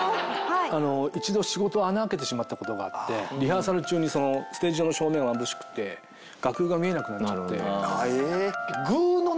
一度仕事を穴をあけてしまった事があってリハーサル中にステージ上の照明がまぶしくて楽譜が見えなくなっちゃって。